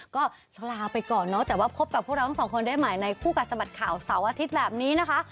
ก็ลาไปก่อนเนาะแต่ว่าพบกับพวกเราทั้งสองคนได้ใหม่ในคู่กัดสะบัดข่าวเสาร์อาทิตย์แบบนี้นะคะ